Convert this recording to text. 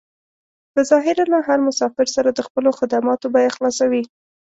په ظاهره له هر مسافر سره د خپلو خدماتو بيه خلاصوي.